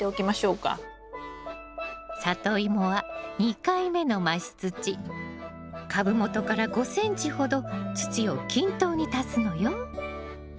サトイモは２回目の増し土株元から５ｃｍほど土を均等に足すのよ。